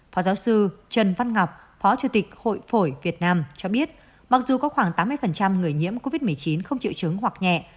phó giáo sư trần văn ngọc phó chủ tịch hội phổi việt nam cho biết mặc dù có khoảng tám mươi người nhiễm covid một mươi chín không triệu chứng hoặc nhẹ